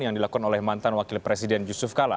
yang dilakukan oleh mantan wakil presiden yusuf kala